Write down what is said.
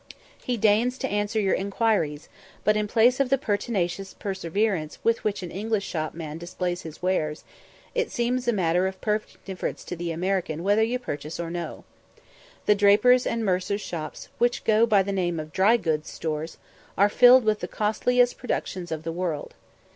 He deigns to answer your inquiries, but, in place of the pertinacious perseverance with which an English shop man displays his wares, it seems a matter of perfect indifference to the American whether you purchase or no. The drapers' and mercers' shops, which go by the name of "dry goods" stores, are filled with the costliest productions of the world.